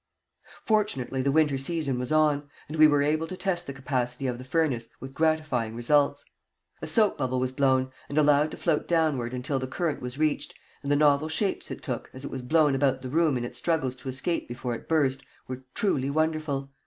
Fortunately the winter season was on, and we were able to test the capacity of the furnace, with gratifying results. A soap bubble was blown, and allowed to float downward until the current was reached, and the novel shapes it took, as it was blown about the room in its struggles to escape before it burst, were truly wonderful.